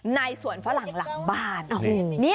ในสวนฝรั่งหลังบ้าน